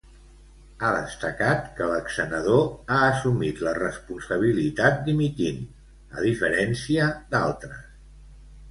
Ha destacat que l'exsenador ha assumit la responsabilitat dimitint, a diferència d'altres.